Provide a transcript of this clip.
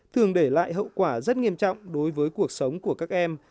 thường để lại hậu quả rất nghiêm trọng đối với cuộc sống của các em